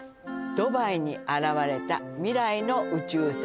「ドバイに現れた未来の宇宙船！？」